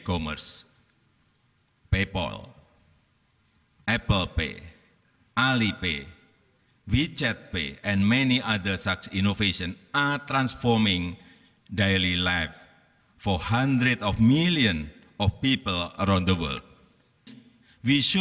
kita harus sekali lagi menerima inovasi besar ini dengan pemikiran yang berlaku